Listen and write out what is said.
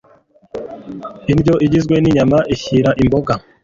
Indyo igizwe n’inyama ishyira imboga